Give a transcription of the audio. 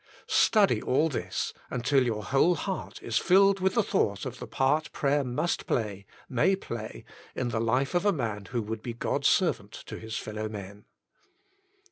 Study all this until your whole heart is fiUed Moses, the Man of Prayer 29 with the thought of the part prayer must play, may play, in the life of a man who would be God's servant to his fellowmen.